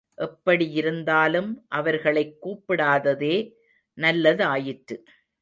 எப்படியிருந்தாலும் அவர்களைக் கூப்பிடாததே நல்லதாயிற்று.